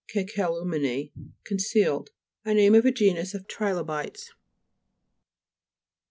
kekalumene, concealed. A name of a genus of trilobites (p.